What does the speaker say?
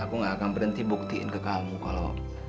aku gak akan berhenti buktiin ke kamu kalau